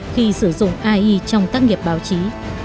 khi sử dụng ai trong tác nghiệp báo chí